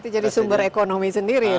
jadi sumber ekonomi sendiri